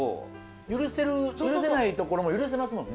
許せないとこも許せますもんね。